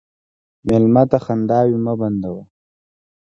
مېلمه ته خنداوې مه بندوه.